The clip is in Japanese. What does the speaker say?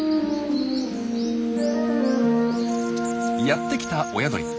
やってきた親鳥。